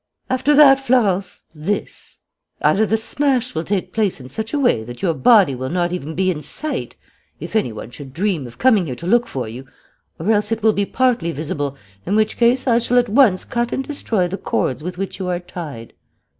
After that, Florence, this: either the smash will take place in such a way that your body will not even be in sight, if any one should dream of coming here to look for you, or else it will be partly visible, in which case I shall at once cut and destroy the cords with which you are tied.